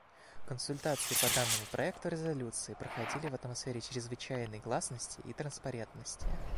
Консультации по данному проекту резолюции проходили в атмосфере чрезвычайной гласности и транспарентности.